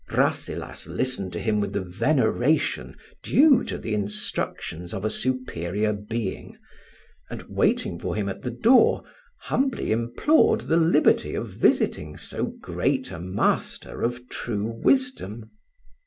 Rasselas listened to him with the veneration due to the instructions of a superior being, and waiting for him at the door, humbly implored the liberty of visiting so great a master of true wisdom.